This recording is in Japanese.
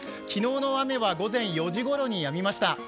昨日の雨は午前４時ごろにやみました。